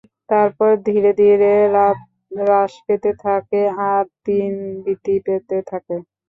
তারপর ধীরে ধীরে রাত হ্রাস পেতে থাকে আর দিন বৃদ্ধি পেতে থাকে।